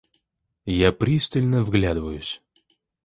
Я пристально вглядываюсь.